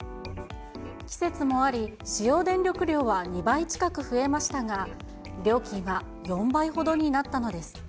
季節もあり、使用電力量は２倍近く増えましたが、料金は４倍ほどになったのです。